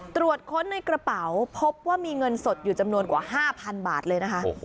ตรวจค้นในกระเป๋าพบว่ามีเงินสดอยู่จำนวนกว่า๕๐๐๐บาทเลยนะคะ